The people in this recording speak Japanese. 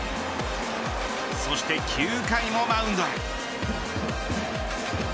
そして９回もマウンドへ。